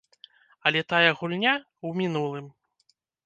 Але тая гульня ў мінулым.